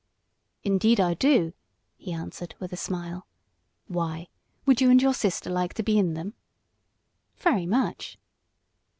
"Indeed I do," he answered, with a smile. "Why, would you and your sister like to be in them?" "Very much!"